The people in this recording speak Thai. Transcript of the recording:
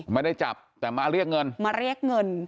ไม่ได้จับแต่มาเรียกเงิน